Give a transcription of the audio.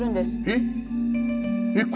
えっ？